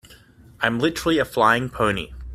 I'm literally a flying pony.